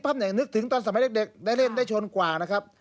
นึกถึงตอนสมัยเด็กได้เล่นได้ชนกว่านะครับ